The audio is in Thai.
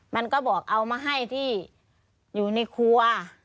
มันก็บอกเอามาให้ที่อยู่ในครัว